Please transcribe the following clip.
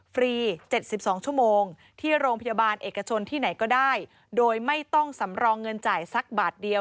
ฟรี๗๒ชั่วโมงที่โรงพยาบาลเอกชนที่ไหนก็ได้โดยไม่ต้องสำรองเงินจ่ายสักบาทเดียว